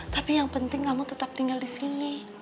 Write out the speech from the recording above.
tapi yang penting kamu tetap tinggal di sini